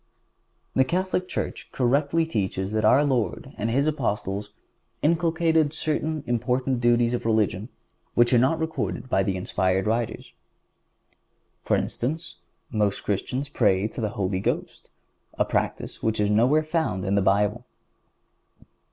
The Catholic Church correctly teaches that our Lord and His Apostles inculcated certain important duties of religion which are not recorded by the inspired writers.(150) For instance, most Christians pray to the Holy Ghost, a practice which is nowhere found in the Bible.